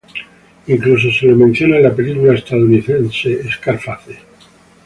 Incluso se lo menciona en la película estadounidense "Scarface".